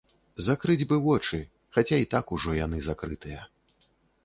Закрыць бы вочы, хаця і так ужо яны закрытыя.